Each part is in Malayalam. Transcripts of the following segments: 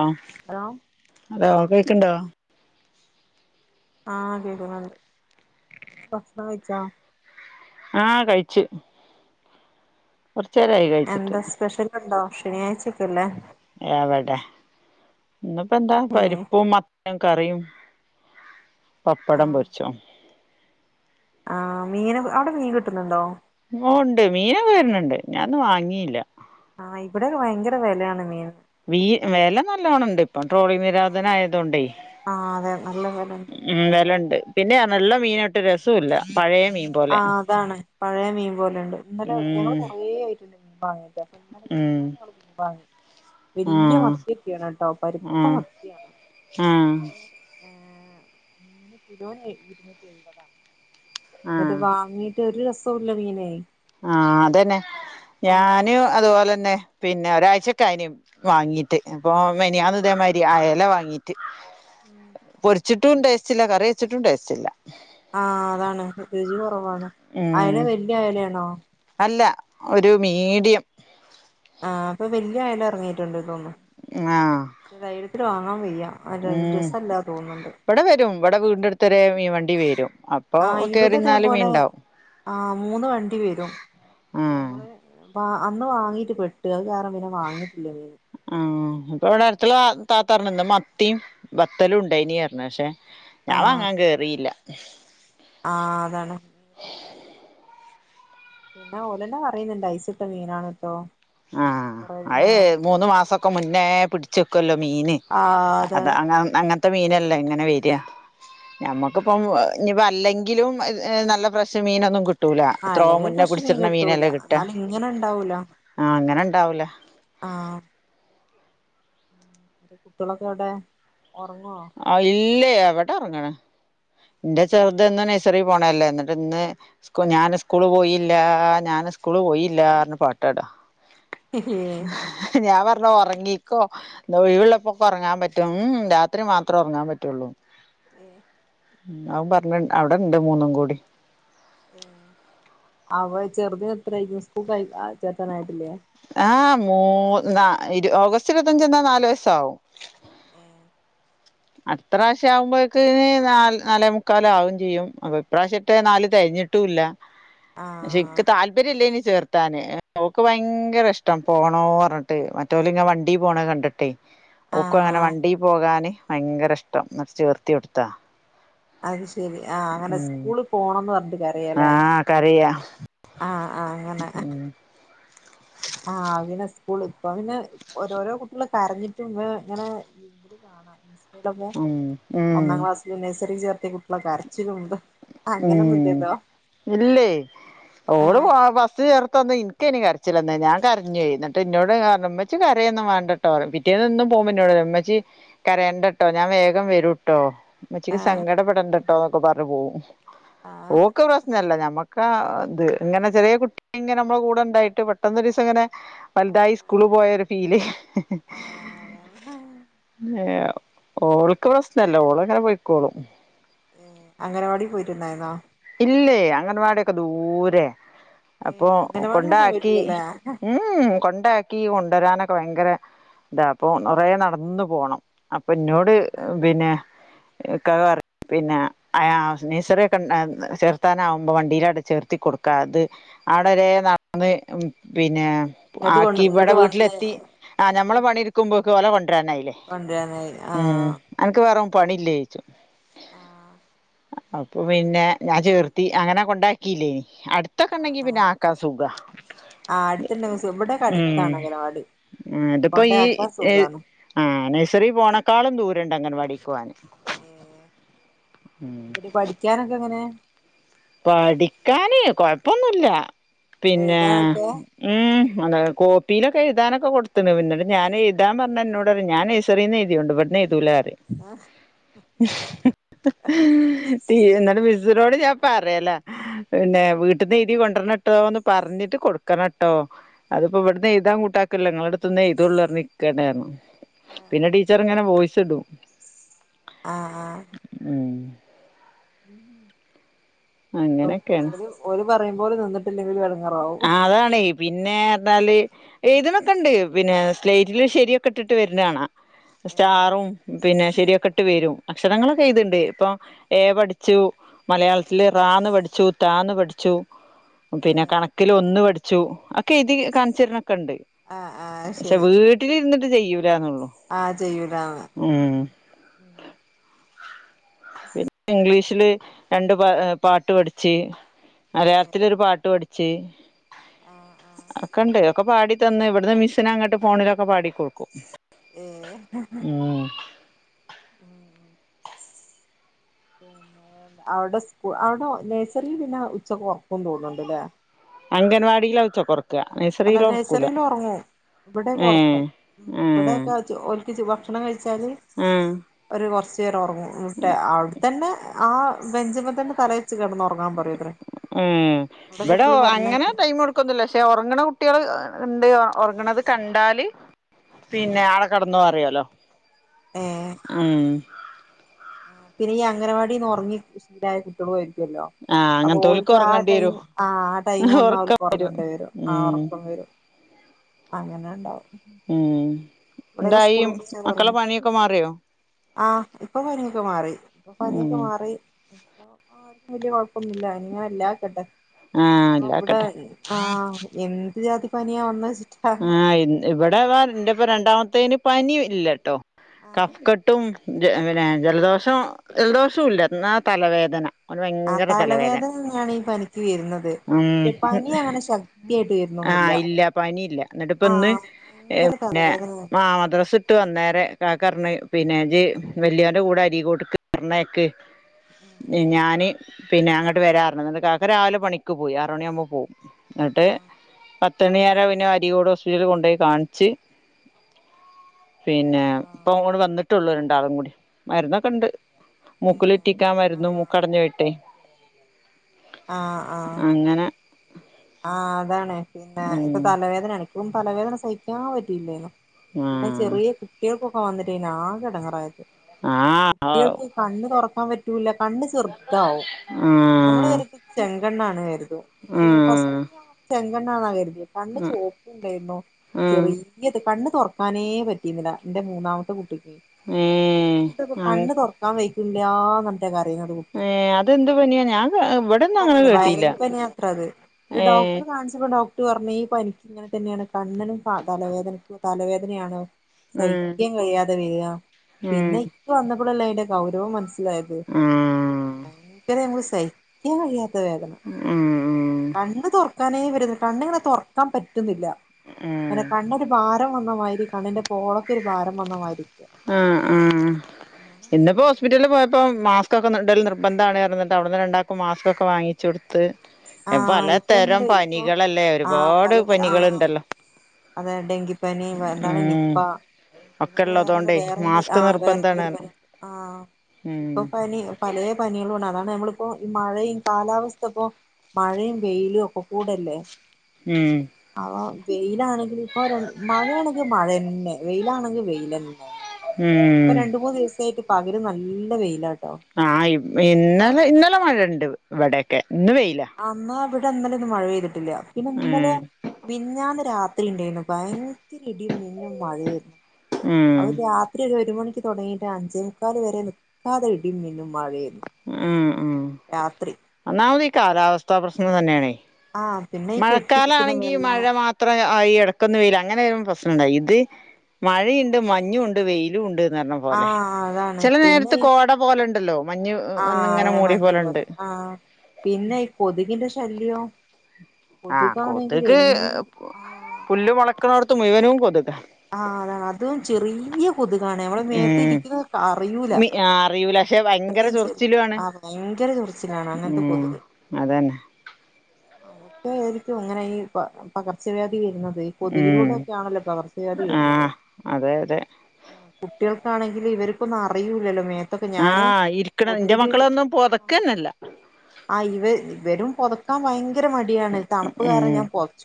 ആ ഹലോ അത ഓക്കെ ക്കണ്ടോ ആഹ കേക്കു ന്നുണ്ട് ഭക്ഷണം കഴിച്ച ആഹ കഴിച്ചു കുറച്ച നേരായി കഴിച്ചിട്ട് ശനിയാഴ്ച പ്പല്ലാ എവടെ ഇന്ന് പ്പെന്താ ഏഹ് പരിപ്പും മത്തനും ക്കറിയും പപ്പടം പൊര് ച്ചോം ആ മീന് ഔടെ മീൻ കിട്ട്ന്നുണ്ടോ ഓ ണ്ട് മീനൊക്കെ വെര്ന്ണ്ട് ഞാന്ന് വാങ്ങീല ഇവടൊക്കെ ഭയങ്കര വെലേണ് മീ മീ വെല നല്ലോണ ണ്ട് ഇപ്പം ട്രോളി നിരോധനായതോണ്ടെ ആഹ് അതെ നല്ല വിലണ്ട് ഉം വെലണ്ട് പിന്നെ ഇള്ള മീനാട്ടൊ രെസൂല പഴേ മീൻ ആ പോലെ അതാണ് പഴേ മീൻ പോലെണ്ട് ഇന്നലെ ഞങ്ങള് ഉം കൊറേ ആയിട്ടിണ്ട് മീൻ വാങ്ങീട്ട് അപ്പൊ ഇന്നലെ ഉം മിനിഞ്ഞാന്ന് [unintelligible] മീൻ [unintelligible] പണി വെല്ല്യ ആഹ് മത്ത്യൊക്കെ ആണ് ട്ടൊ പര്ത്ത ആഹ് മത്ത്യാണ് ആഹ് പഷെ ഏഹ് മീന് കിലോന് ഇരുന്നൂറ്റി എഴുപതാണ്. ന്നട്ട് ആഹ് വാങ്ങീ ട്ട് ഒരു രസൂല മീനെയ് ആ അതന്നെ ഞാന് അത് പോലന്നെ പിന്നെ ഒരാഴ്ച്ചക്കായിനി വാങ്ങീട്ട് അപ്പോ മിനിഞ്ഞാന്ന് ഇതേ മായ്രി അയ്ല വാങ്ങീട്ട് ഉം ച്ചിട്ടും ടേസ്റ്റില്ല കറി വെച്ചിട്ടും ടേസ്റ്റില്ല ആ അതാണ് രുചി കൊറവാണ് അയല ഉം വെല്ല്യ അയലാണോ? അല്ല ഒര് മീഡിയം ആ ഇപ്പൊ വെല്ല്യ അയല എർങ്ങീട്ടിണ്ട് തോന്നുന്ന് ആഹ് പഷെ ധൈര്യത്തിൽ വാങ്ങാൻ വയ്യ [unintelligible] രസല്ലാ തോന്ന്ണ്ട് ഇവടെ വീടിൻറെ അട്ത്തരെ മീൻ വണ്ടി വെരും. ആ ഇവടെ ഇതേ പോലെ ആ മൂന്ന് വണ്ടി വെരും ആഹ് ഞങ്ങള് പ അന്ന് വാങ്ങീട്ട് പെട്ട് അത് കാര ണം പിന്നെ വാങ്ങീട്ടില്ല മീന് ഇപ്പവടെ അടുത്ത് ആ താത്ത പറഞ്ഞെന്ന് മത്തിം ബത്തലുണ്ടെയ്നി അർഞ്ഞ് പഷേ ഞാ ആഹ് വാങ്ങാൻ കേറീല [inaudible] ആഹ് അതാണ് രസല്ല. പിന്നെ ഓലന്നെ പറയുന്നുണ്ട് ഐസ് ഇട്ട മീനാണ് ട്ടോ ആഹ് കൊറേ അയ് ആഹ് മൂന്ന് മാസം മുന്നേ പിടിച്ച് വെക്കല്ലോ മീന് അതെ അത അ അങ്ങൻ ട്ട മീനല്ലേ ഇങ്ങനെ വെരാ ഞമ്മുക്കിപ്പം ഇനി ഇപ്പോ അല്ലെങ്കിലും ഏഹ് ഏഹ് നല്ല ഫ്രഷ് മീനൊന്നും കിട് ആ അല്ലെങ്കിലും ഫ്രഷ് മീൻ കിട്ടൂല കിട്ടുക എന്നാലും ഇങ്ങനെ ഇണ്ടാവൂല. ആഹ് ഇങ്ങനെ ഇണ്ടാവൂല കുട്ടികളൊക്കെ എവിടെ ഉറങ്ങുവോ ആഹ് ഇല്ലേ ഇവടെറങ്ങ്ണ് ന്റെ ഏഹ് ചെറുതന്നും നഴ്സറി പോണല്ലേ ന്നിട്ട് ഇന്ന് സ് ക്ക് ഞാന് സ്കൂള് പോയില്ല ഞാന് സ് സ്കൂള് പോയില്ലാർഞ്ഞ് പാട്ടാടാ ഏ ഞാൻ പറഞ്ഞ് ഒറങ്ങിക്കോ ഒഴിവെള്ളപ്പൊക്കെ ഒറങ്ങാൻ പറ്റും ഉം രാത്രി മാത്രേ ഒറങ്ങാൻ പറ്റുള്ളൂ ഏ അവൻ പറഞ്ഞ അവിടെണ്ട് മൂന്നും കൂടി അവൻ ചെർതിന് എത്രായിക്ക്ണ് സ്കൂൾക്ക് ചേർത്താനായിട്ടില്ലേ? ആഹ് മൂ ന്ന ഇരു ഓഗസ്റ്റ് ഇരുപത്തഞ്ച് വന്നാ നാലു വയസാവും അട്ത്രാവശ്യാകുമ്പോഴേക്കിന് നാല് നാലേ മുക്കാലാവും ചെയ്യും അപ്പൊ ഇപ്രാവ്ശ്യത്തെ നാല് തെയ്ഞ്ഞിട്ടു ഇല്ല ആ പക്ഷെ ക്ക് താല്പര്യല്ലേനി ചേർത് ത്താന് ഓക്ക് ഭയങ്കര ഇഷ്ടം പോണോ പറഞ്ഞിട്ടേ മറ്റോലിങ്ങെനെ വണ്ടീ പോണ കണ്ടിട്ടെ ആ ഓക്കും അങ്ങനെ വണ്ടീ പോകാന് ഭയങ്കര ഇഷ്ടം ന്നട്ട് ചേർത്തി കൊടുത്താ അത് ശ ശെരി ആഹ് അങ്ങനെ ഉം സ്കൂളിൽ പോണംന്ന് പറഞ്ഞിട്ട് കരയല്ലേ ആഹ് കരയാ ആഹ് ആ അ അങ്ങനെ ഉം ആഹ് പിന്നെ സ്കൂള് ഇപ്പ പിന്നെ ഓരോരോ കുട്ടികള് കരഞ്ഞിട്ടും ഇ ഇങ്ങനെ കാണാം ഉം ഉം ചെറി ചേർത്തിയ കുട്ട് ഇം ഇല്ലെയ് ആ ഓള് വ വസ്റ്റ്ല് ചേർത് ത്തന്ന് ഇൻക്കേനി കരച്ചിലന്നെ ഞാൻ കരഞ്ഞോയി എന്നിട്ട് ഇന്നോട് പറഞ്ഞു ഉമ്മച്ചി കരയൊന്നും വാണ്ടട്ടോ പിറ്റേന്ന് എന്നും പോവുമ്പോ ന്നോട്റയ ഉമ്മച്ചി കരേണ്ടട്ടോ ഞാൻ വേഗം വരൂട്ടോ ആ മ്മ്ച്ചിക്ക് സങ്കടപ്പെടണ്ട ട്ടോന്നൊക്കെ പറഞ്ഞു പോകും ആ ഓക്ക് പ്രശ് പ്രശ്നല്ല ഞമ്മക്കാ ഇത് ഇങ്ങനെ ചെറിയ കുട്ടി ഇങ്ങനെ നമ്മള കൂടെ ഇണ്ടായിട്ട് പെട്ടന്ന് ദിവസം ഇങ്ങനെ വലുതായി സ്കൂളി പോയ ഒരു ഫീല് ആ അതാണ് ഓൾക്ക് പ്രശ്നല്ല ഓള്ങ്ങനെ പോയ്ക്കോളും ഏ അംഗനവാടി പോയിട്ടിണ്ടായിരുന്നോ ഇല്ലേ അംഗനവാടിയൊക്കെ ദൂരേ ഏ അപ്പൊ അംഗനവാടിലൊന്നും കൊണ്ടാക്കി പോയിട്ടില്ലല്ലേ ഉം കൊണ്ടാക്കി കൊൺ വരാനൊക്കെ ഭയങ്കര ഇതാ അപ്പൊ കൊറേ നടന്ന് പോണം അപ്പ ന്നോട് ബിനെ ഇക്കാക്ക പറയും പിന്നെ അയ നെയ്‌സറി കണ്ട ചേർത്താനാവുമ്പോ വണ്ടീലങ്ങട്ട് ചേർത്തി കൊട്ക്കാ അത് അവടെരേ നടന്ന് പിന്നെ ഇങ്ങോട്ട് കൊണ്ട് ആക്കി ഇങ്ങോട്ട് വടെ വന്ന് വീട്ട്ലെത്തി ആ ഞമ്മളെ പണിട്ക്കുമ്പോ ക്കോനെ കൊ ണ്ടരാനായീലെ കൊണ്ടുവരാനായി മ് ആഹ് അനക്ക് വേറെ പണി ഇല്ല്യേച്ചും ആഹ് അപ്പ പിന്നെ ചേർ കുട്ടികൾക്ക് കൊണ്ടാക്കിലൈനു അടുത്തൊക്കെ ആഹ് ണ്ടെങ്കി പിന്നെ ആഹ് ആക്കാം സുഖാ ആഹ് അടുത്തുണ്ടെങ്കിൽ സുഖം ഇവിടെയൊക്കെ ഉം അടുത്താണ് അംഗനവാടി ത്പ്പോ ഈ കൊണ്ടയാക്കാൻ സുഖാണ് ആ നെയ്സ് സറി പോണക്കാളും ദൂരണ്ട് അംഗൻവാടിക്ക് പോവാന് ഏ ന്നിട്ട് പഠിക്ക്യാനൊക്കെ ങ്ങനെ പഠിക്കാന് കൊഴപ്പൊന്നുല്ല പിന്നെ എഴുതാനൊക്കെ ഉം കോപ്പിലെയ്താനൊക്കെ കൊടുത്ത്ക്ണ് ന്നട്ട് ഞാൻ എയ്താം പറഞാ ന്നോട് പറയും നെയ്‌സറീന്ന് എയ്തീകോണ്ട് ഇവ്ട്ന്ന് എയ്തൂലാന്ന് ആഹ് ന്നട്ട് മിസ്സിനോട് ഞാം പറേലാ പിന്നെ വീട്ട്ന്ന് എയ്തി കൊ പറട്ടോ എന്ന് പറഞ്ഞിട്ട് കൊടുക്കണം കേട്ടോ അതിപ്പോ ഇവിടുന്ന് എഴുതാൻ കൂട്ടാക്കൂല്ല നിങ്ങളുടെ അടുത്ത് നിന്ന് എഴുതൊള്ളൂ ന്ന് പറഞ്ഞു ക്കാണ് പിന്നെ ടീച്ചർ ഇങ്ങനെ വോയിസ് ഇടും ആഹ് ആഹ് ഉം മ് അങ്ങനെയൊക്കെയാണ് ഓന് പറയും പോലെ നിന്നിട്ടില്ലെങ്കിൽ ഇവടെ ആഹ് അതാണെയ് പിന്നെ ന്നാല് എയ്ത്ണൊക്കെണ്ട് പിന്നെ സ്ലേറ്റില് ശരിയൊക്കെ ഇട്ട്ട്ട് വര്ണെ കാണാ ഏഹ് സ്റ്റാറും പിന്നെ ശെരി ഒക്കെ ഇട്ട് വരും അക്ഷരങ്ങളൊക്കെ എയ്ത്ണ്ട് ഇപ്പൊ ഏ പഠിച്ചു മലയാളത്തില് റാന്ന് പഠിച്ചു താന്ന് പഠിച്ചു പിന്നെ ഏഹ് കണക്കില് ഒന്ന്‌ പഠിച്ചു ഒക്കെ എയ്തി കാണിച്ചെര്ണൊക്കെ ക്കണ്ട് ആഹ് ആഹ് പക്ഷെ ശരി വീട്ടിലിരുന്നിട്ട് ചെയ്യൂ ആഹ് ചെയ്യൂലാന്ന് പിന്നെ ഇംഗ്ലീഷില് രണ്ട് പ പാട്ട് പഠിച്ചു ഏഹ് മലയാളത്തില് ഒരു പാട്ട് പഠിച്ചി ആഹ് ആഹ് ച്ചി അക്കെണ്ട് പാടി തന്നെ മിസ്സിനെ അങ്ങട്ടൊക്കെ ഫോണിലൊക്കെ പാടിക്കൊടുക്കും ഏഹ് ഉം [unintelligible] പിന്നെ അവവിടെ സ്കൂ അവിടെ നേഴ്സറിൽ പിന്നെ ഉച്ചൊറപ്പന്ന് തോന്നുന്നുണ്ട്ല്ലേ അംഗൻവാടില ഉച്ചോക്കൊറ അല്ല നഴ്സറിൽ ഉറങ്ങും ഇവിടെൊക്കെ ഏഹ് ഉറക്കും ഉ ആഹ് ഇവിടെൊക്കെ ഒക്ക്ി ഭക്ഷണം കഴിച്ചാല് ആഹ് ഒരു കുറച്ച് ചറോ ട്ട് അവിടെത്തന്നെ ആ വ്യഞ്ജനത്തിന്റെ തറയി ഉം ഇവിടെ കുട്ടികൾ അങ്ങനെ പറഞ്ഞേക്കാം ടൈം എടുക്കൊന്നില്ല പക്ഷെ ഉറങ്ങണ കുട്ടികള് എന്ത ഉറങ്ങണത് കണ്ടാല് പിന്നെ ആഹ് ആടെ കിടന്ന അറിയാലോ ആ ഉം ആ പിന്നെ ഈ അംഗനവാടിന്ന് ഉറങ്ങിശീലായ കുട്ടികളുവരും ല്ലോ ആഹ് അപ്പൊ അങ്ങനത്തോൽക്ക് ഓര്ക്ക് ആ ഒറങ്ങേണ്ടി ടൈം വരും ആ ആ ടൈം ഒന്ന് ഒറക്കം അവക്ക് ഉറങ്ങേണ്ടി വരും ആ ഉം ഉറക്കം വരും അങ്ങനെ ഉണ്ടാവും ഉം ഇവിടെൊക്കെ എന്തായി സ്കൂൾ കുറ മക്കളെ പറങ്ങു പണിയൊക്കെ മാറിയോ ആ ഇപ്പൊ പനിയൊക്കെ മാറി ഇപ്പൊ പനിയൊക്കെ ഉം മാറി ഇപ്പൊ ആർക്കും വലിയ കൊഴപ്പൊന്നുമില്ല അങ്ങനെ എല്ലാക്കട്ടെ ആഹ് അവിടെ ഇല്ലാക്കട്ടെ ആഹ എ ജാതി പനിയ വന്ന ആ് ഇവിടെ വ എന്റെ ഇപ്പ രണ്ടാമത്തെ ത്തേന് പനി ഇല്ലട്ടോ ആഹ് കഫ്ക്കെട്ടും ജ പിന്നെ ജലദോഷം ജലദോഷവും ഇല്ല എന്നാ തലവേദന ഓന് ആ ഭയങ്കര തലവേദന തന്നെയാണ് ഈ പനിക്ക് വരുന്നത് ഉം പക്ഷെ പനി അങ്ങനെ ശക്തിയായിട്ട് വരുന്നൊന്നൂല്ല എന്നിട്ട ഇപ്പ ഇന്ന് പിന്നെ മാ മദ്രസ് ഇട്ട് വന്നേരെ കാക്ക പറ്ഞ്ഞ് പിന്നെ ജ് വല്ല്യോന്റെ കൂടെ അരീക്കോട്ക്ക് പറ്ഞ്ഞയ്ക്ക ഉം ഏ ഞാന് പിന്നെ അങ്ങട്ട് വരാന്നറ്ഞ്ഞതാ ന്ന്ട്ട് കാക്ക രാവിലെ പണിക്ക് പോയി ആറ് മണിയാവുമ്പോ പോവും ന്ന്ട്ട് ആഹ് പ ത്തണിയായാരെ പിന്നെ വ രിക്കോട് ഹോസ്പിറ്റല് പോ പിന്നെ ആഹ് ഇപ്പൊങ്ങോട് വന്നി ത്തുള്ളു രണ്ടാളുക്കൂടി മരന്നൊക്കെണ്ട് ഏഹ് മൂക്കിലുറ്റിക്കാ ആഹ് ആഹ് ആ ആ അതാണ് പിന്നെ ഇപ്പൊ ഉം തലവേദനാണ് വും തലവേദന സഹിക്കാൻ പറ്റില്ലേനു പിന്നെ ആഹ് ചെറിയ കുട്ട്യയ്ക്കു ആ വന്നിട്ടേനു ആകെ എടങ്ങേറായത് ആഹ് കൂട്ട്യള്ക്ക് കണ്ണ് തൊറക്കാൻ പ റ്റൂല കണ്ണ് ചെറ്താവും. ഞമ്മള് ആഹ് വിചാരിക്കു ചെങ്കണ്ണാന്ന് കര്തും. പക്ഷേ ഫസ് ചെ കണ്ണാവാ വല് കണ്ണ് ആഹ് ചോപ്പ് ഇണ്ടായിരുന്നു. ആഹ് ചെറിയത് കണ്ണ് തൊറ് ക്കാനേ പറ്റീര്ന്നില്ല ന്റെ മൂന്നാമത്തെ കുട്ടി ഇത് ഏഹ് കണ്ടപ്പോ കണ്ണ് തൊറ്ക്കാൻ വൈ ഇല്ലാന്നറ് ഏ അതെന്ത് പനിയാ ഞാൻ കേ ഇവിടൊന്നങ്ങനെ കേട്ടില്ല ത് ഏഹ് ഡോക്ടറെ കാണ്ച്ച് വന്ന ഡോക്ടർ പറഞ്ഞ് ഈ പനിക്ക് ഇങ്ങനെ തന്നെയാണ് കണ്ണ്നും ത തലവേദനക്കു തലവേദനയാണൊ ഉം സഹിക്കാൻ കഴിയാതെ വര്‌ ഉം പിന്നെ ഇക്ക വന്നപ്പളെല്ലെ ത്‌ന്റെ ഗൗരവം മന് സ്സ്ലായത് ആഹ് ഭയങ്കര [unintelligible] സഹിക്കാൻ വയ്യാ ത്തവേദന ഉം ഉം തൊറ്ക്കാനേ [unintelligible] കണ്ണ്ങ്ങനെ തൊറ്ക്കാൻ പ റ്റ്ന്ന്ല്ല ഞാന് പറ്യാ ഉം കണ്ണൊക്കെ ഡാ ക്കം വന്നമായ്രി കണ്ണിന്റെ പോളക്ക് ഒരു ഭാരം വന്നമായ്രി. ആഹ് ആഹ് ഇന്നിപ്പോസ്പിറ്റലിൽ പോയപ്പോ മാസ്ക്കൊക്കെ നി ഇടല് നിർബന്ധാണ് അറ്ഞ്ഞ് അവിടുന്ന് രണ്ടാക്കു മാസ്ക് കൊക്കെ വാങ്ങിച്ചു കൊടുത്ത്. ആഹ് ഇപ്പ പലതരം ഇണ്ട് ഇപ്പൊ പനികളല്ലേയ് ആഹ് ഒരുപാട് പലതരം ആഹ് പനികളുണ്ട്ല്ലോ. അതെ ഡെങ്കിപ്പനി വ എന്താണ് നിപ്പ. ഒക്കെ ഉള്ളതുകൊണ്ടേ വേറെന്തോ മാസ്ക് ആ വേറെ നിർബന്ധമാണ് എന്തോ പറഞ്ഞു. പനി ആ ഇപ്പോ ഉം പനി പലേ പനികളുണ്ട് അതാണ് നമ്മള് ഇപ്പോ മഴയും കാലാവസ്ഥ ഇപ്പോ മഴയും വെയിലും ഒക്കെ കൂടെ അല്ലേ. ഉം വെയിൽ ഇതാണ്. ഇപ്പോ രണ് മഴേണെങ്കിൽ മഴ ന്നെ. വെയിൽ ആണെങ്കിൽ വെയിലന്നെ. ഉം. യിട്ട് പകലും നല്ല വെയിലാട്ടോ. ആഹ് ഇവി ഇപ്പൊ ഇന്നലെ ഇന്നലെ മഴണ്ട് ഇവ് ഇവിടെക്കെ. ഇന്ന് വെയിലാ. ന്നാ ഇന്നലെ ഒന്നും മഴ പെയ്തിട- ട്ടില്ല പിന്നെ ഇന്നലെ മിഞ്ഞാന്ന് രാത്രി വിടെ ണ്ടായിരുന്നു ഭയ ഇടിമിന്നും മഴയും ഉം അത് രാത്രി ഒരു മൂന്നു മണിക്ക് തുടങ്ങിയിട്ട് അഞ്ചേ മുക്കാൽ വരെ നിക്കാതെ ഇടിയും മിന്നും മഴയും. ഉം ഉം ഒന്നാമത് ഈ കാലാവസ്ഥ പ്രശ്നം തന്നെയാണേ. ആഹ് പിന്നെ ഈ കെട്ടി മഴക്കാലം നിൽക്കുന്ന ആണെങ്കിൽ വെള്ളം മഴ മാത്രമായി ഇടയ്ക്കൊന്നു വെയില് അങ്ങനെ വരുമ്പം പ്രശ് നം ഉണ്ടോ ഇത് മഴയുണ്ട് മഞ്ഞു ഉണ്ട് വെയിലും ഉണ്ട്. എന്ന് പറഞ്ഞപോലെ ആഹ് അതാണ് ചില പിന്നെ നേരത്ത് ഈ കോടപോലെ യു ഉണ്ടല്ലോ മഞ്ഞ് ആഹ് വന്നിങ്ങനെ അതന്നെ മൂടിയ മഞ്ഞു പോലെണ്ട് പോലെ ആ പിന്നെ ഈ കൊതുകിന്റെ ശല്യം ആഹ് കൊതുകാണെങ്കി എ കൊതുക് ആ. പുല്ല് [unintelligible] മുഴുവനും കൊതുക്. ആ അതാണ് അതും ചെറിയ കൊതുകാണെ നമ്മുടെ ഉം മേത്തിരിക്കുന്നത് അറിയൂല്ല. പക്ഷേ ഭയങ്കര ചൊറി ആഹ് ഭയങ്കര ചൊറിച്ചിൽ ആണ് അങ്ങനത്തെ ഉം കൊതുക് അതന്നെ [inaudible] അ ആായിരിക്കും ഇങ്ങനെ ഈ പകർച്ചവ്യാ രുന്നത് ഈ ഉം കൊതുകിലൂടെ ഒക്കെ ആണല്ലോ പകർച്ചവ്യാതി വരുന്നത് ആഹ് അതെ അതെ കുട്ടികൾ ക്ക ആണെങ്കിൽ ഇവർക്കൊന്നും അിയൂല്ലോ ആഹ ഇരിക്കണം എന്റെ മക്കളൊന്നും ആഹ് പൊതക്കന്നെല്ല ആ ഉ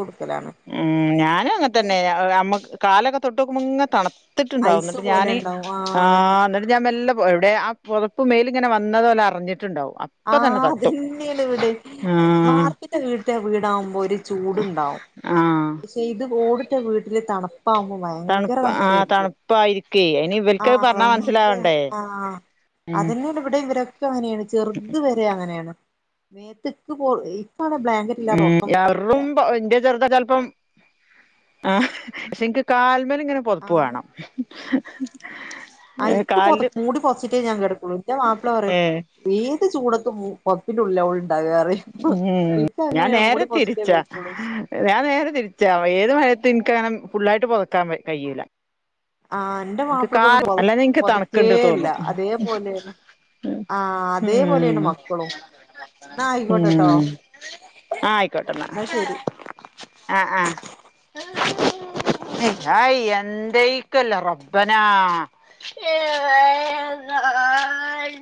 കൊടുക്കലാണ് ഉം ഞാനും പിന്നെ അങ്ങത്തന്നെ അമ്മക്ക് കാലൊക്കെ തൊട്ട്ക്കുമ്പ തണ ത്തിട്ടുണ്ടാവും ഐസ് എന്നിട്ട് പോലെ ഞാാന് ഉണ്ടാവും ആഹ് ആ് അതന്നെ എന്നിട്ട് ഞാൻ വല്ല എവിടെ ആ പുതപ്പ് മേല ഇങ്ങനെ വന്നതോല് അറിഞ്ഞിട്ട് ണ്ടാവും അപ്പ തന്നെ ആഹ് തട്ടും അതന്നെയാണ് വീടാവുമ്പോ ഒരു ചൂട്ണ്ടാവും ആഹ് പക്ഷെ ഇത് ഓടിട്ടാ വീടില് തണുപ്പ് തണുപ്പാകുമ്പോ ഭയങ്കര തണുപ്പ് ആഹ് തണുപ്പേർക്കും തണുപ്പായിരിക്കേ അയിന് ഇവൽക്ക് പറഞ്ഞാ ആഹ്.. മനസ്സിലാവണ്ടേ ആഹ്.. ഉം അതെന്നെ ഇവിടിം ഇവരൊക്കെ ചെർ [inaudible] ഉം.. ന്റെ ചെറുതക്കേ ചെലപ്പം ആഹ്.. പക്ഷെ ന്ക് കാല് ലുമ്മലിങ്ങനെ പൊതപ്പ് വേണം [inaudible] അയ്ക്ക് കാലില് പൊതപ്പ് മൂടിപ്പോതച്ചിട്ടേ ഞാൻ കേടക്കോള്ളു ന്റെ മാപ്ല പറിയും ഏഹ് ഏത് ചൂടത്തും മു പൊതപ്പിന്റെ ഉള്ളില ഓൾ ഏ.. ഞാൻ മൂടി നേരെ പൊതച്ചിട്ടേ തിരിച്ച കിടക്കുള്ളൂ ഞാൻ ആഹ് നേരെ തിരിച്ച ഏത് മയതും ന്ക് ന്ക് അങ്ങനെ ഫുള്ളായിട്ട് പൊതക്കാൻ കഴിയില്ല ആഹ് ന്റെ മാപ്ലകൊന്നും അല്ലാതെ എനിക്ക് തണുക്കുണ്ട് പൊതക്കെല്ല തോന്നും അതേ പോലെ ആഹ് അതേപോലെന് ഉം മക്കളും ആയിക്കോട്ടെട്ടോ ഉം.. ആഹ് ആയ്കോട്ടെന്നാ എന്നാ ശരി ആഹ് ആഹ് ആയി ആയി ന്തെകല്ലോ റബ്ബനാ